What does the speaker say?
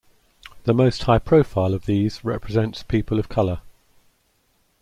The most high profile of these represent people of color.